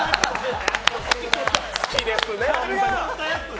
好きですね。